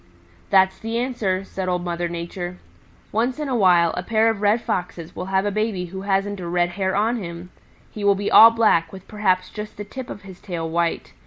"That's the answer," said Old Mother Nature. "Once in a while a pair of Red Foxes will have a baby who hasn't a red hair on him. He will be all black, with perhaps just the tip of his tail white.